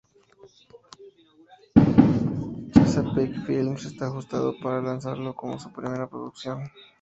Chesapeake Films está ajustando para lanzarlo como su primera producción.